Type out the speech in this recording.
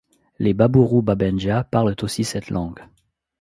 Les Baburu-Babendja parlent aussi cette langue.